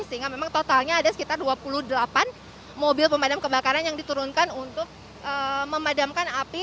sehingga memang totalnya ada sekitar dua puluh delapan mobil pemadam kebakaran yang diturunkan untuk memadamkan api